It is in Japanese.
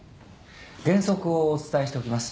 原則をお伝えしておきます。